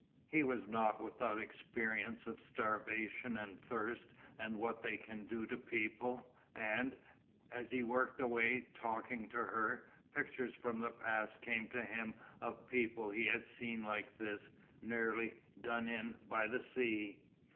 He was not without experience of starvation and thirst and what they can do to people, and, as he worked away talking to her, pictures from the past came to him of people he had seen like this, nearly "done in" by the sea.